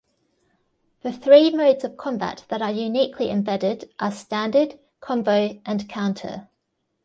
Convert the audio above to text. The three modes of combat that are uniquely embedded are "standard", "combo" and "counter".